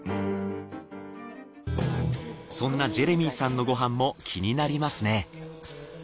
そんなジェレミーさんのご飯も気になりますね。